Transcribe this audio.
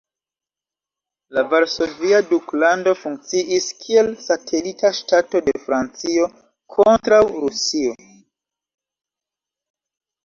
La Varsovia Duklando funkciis kiel satelita ŝtato de Francio kontraŭ Rusio.